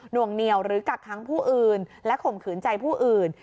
วงเหนียวหรือกักค้างผู้อื่นและข่มขืนใจผู้อื่น